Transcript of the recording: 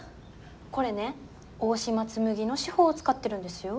これね大島紬の手法を使ってるんですよ。